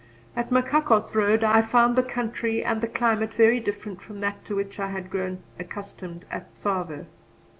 At Machakos Road I found the country and the climate very different from that to which I had grown accustomed at Tsavo.